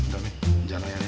jangan layan ya